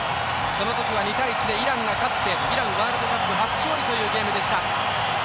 その時は１対１でイランが勝ってイランワールドカップ初勝利という試合でした。